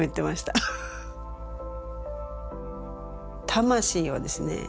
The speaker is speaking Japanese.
魂をですね